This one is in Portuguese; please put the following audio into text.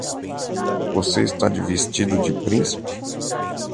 Você está vestido de príncipe?